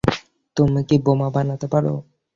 তুমি কি বোমা বানাতে পারো?